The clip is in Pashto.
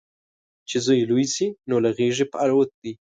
چې زوی لوی شي، نو له غیږې په الوت دی